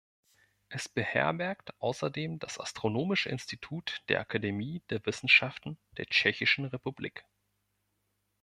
Es beherbergt außerdem das Astronomische Institut der Akademie der Wissenschaften der Tschechischen Republik.